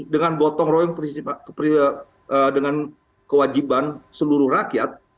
dengan gotong royong dengan kewajiban seluruh rakyat